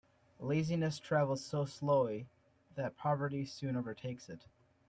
Laziness travels so slowly that poverty soon overtakes it.